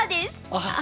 ああ。